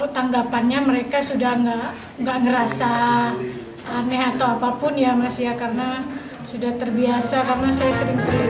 tanggapannya mereka sudah nggak ngerasa aneh atau apapun ya mas ya karena sudah terbiasa karena saya sering terlibat